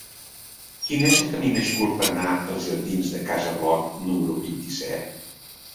Quin és el camí més curt per anar als jardins de Casa Bloc número vint-i-set?